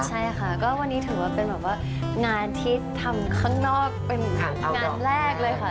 ใช่ค่ะก็วันนี้ถือว่าเป็นแบบว่างานที่ทำข้างนอกเป็นงานแรกเลยค่ะ